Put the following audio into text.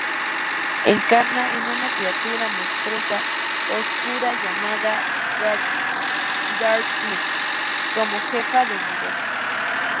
Encarna en una criatura monstruosa oscura llamada Darkness como jefe del Nivel.